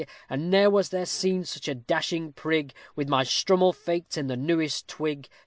_ And ne'er was there seen such a dashing prig, With my strummel faked in the newest twig.